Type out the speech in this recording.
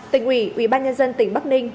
tỉnh ủy ủy ban nhân dân tỉnh bắc ninh